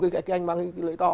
cái anh mang cái lễ to